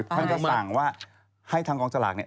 ท่านก็สั่งว่าให้ทางกองสลากเนี่ย